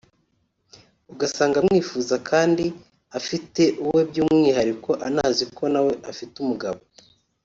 ugasanga amwifuza kandi afite uwe by’umwihariko anazi ko nawe afite umugabo